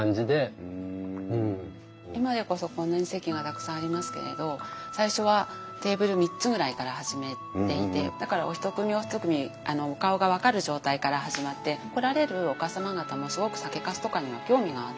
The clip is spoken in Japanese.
今でこそこんなに席がたくさんありますけれど最初はテーブル３つぐらいから始めていてだからお一組お一組お顔が分かる状態から始まって来られるお母様方もすごく酒かすとかには興味があって。